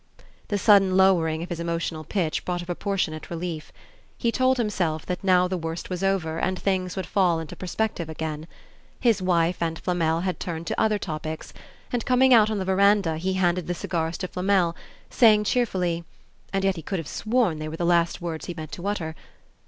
The sudden lowering of his emotional pitch brought a proportionate relief. He told himself that now the worst was over and things would fall into perspective again. His wife and Flamel had turned to other topics, and coming out on the veranda, he handed the cigars to Flamel, saying, cheerfully and yet he could have sworn they were the last words he meant to utter!